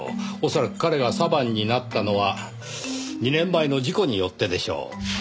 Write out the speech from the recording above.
恐らく彼がサヴァンになったのは２年前の事故によってでしょう。